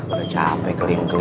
udah capek kering kering